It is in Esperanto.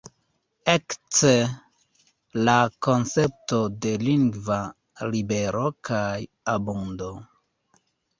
Ekce la koncepto de lingva libero kaj abundo.